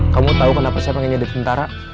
kamu tahu kenapa saya pengen jadi tentara